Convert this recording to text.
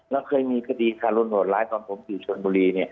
แล้วเคยมีคดีคารุณโหดร้ายตอนผมอยู่ชนบุรี